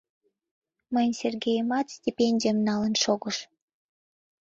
Мыйын Сергеемат стипендым налын шогыш.